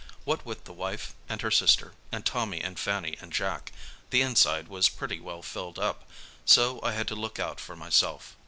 What with the wife and her sister, and Tommy and Fanny and Jack, the inside was pretty well filled up, so I had to look out for myself.